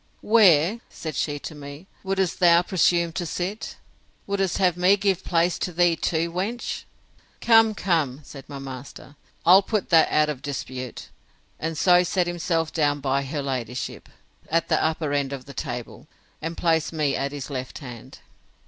Where, said she to me, would'st thou presume to sit? Would'st have me give place to thee too, wench?—Come, come, said my master, I'll put that out of dispute; and so set himself down by her ladyship, at the upper end of the table, and placed me at his left hand.